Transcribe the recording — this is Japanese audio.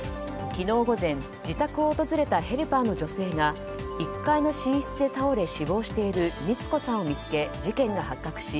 昨日午前自宅を訪れたヘルパーの女性が１階の寝室で倒れ死亡している光子さんを見つけ、事件が発覚し